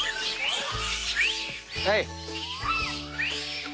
はい。